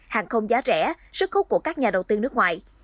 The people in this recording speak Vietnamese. hàng không giá rẻ sức khúc của các nhà đầu tư nước ngoài